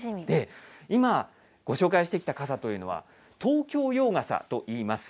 今、ご紹介してきた傘というのは、東京洋傘といいます。